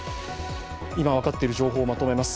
今、分かっている情報をまとめます。